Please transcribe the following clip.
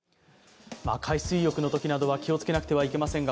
海水浴のときなどは気をつけなければいけません。